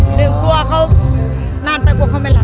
เพราะว่าเพราะว่านานไปเขาไม่รัก